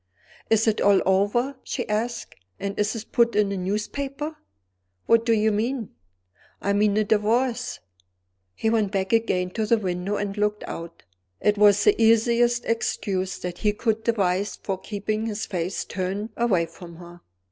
"Is it all over?" she asked. "And is it put in the newspaper?" "What do you mean?" "I mean the Divorce." He went back again to the window and looked out. It was the easiest excuse that he could devise for keeping his face turned away from her.